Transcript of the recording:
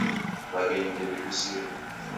W'aghenyu ndew'ibusire.